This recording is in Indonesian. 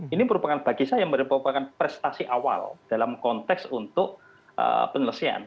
ini merupakan bagi saya merupakan prestasi awal dalam konteks untuk penyelesaian